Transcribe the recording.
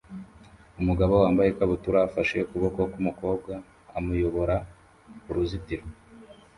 Umugabo wambaye ikabutura afashe ukuboko k'umukobwa amuyobora ku ruzitiro